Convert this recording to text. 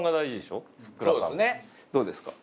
どうですか？